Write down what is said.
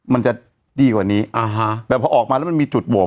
มันจะดีกว่านี้อ่าฮะแต่พอออกมาแล้วมันมีจุดโหวต